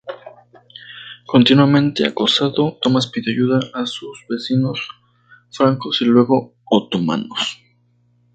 Continuamente acosado, Tomás pidió ayuda a sus vecinos francos y luego otomanos.